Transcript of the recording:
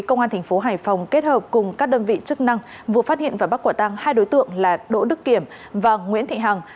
công an thành phố hải phòng kết hợp cùng các đơn vị chức năng vừa phát hiện và bắt quả tăng hai đối tượng là đỗ đức kiểm và nguyễn thị hằng